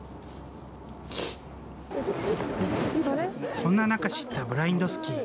そんな中知ったブラインドスキー。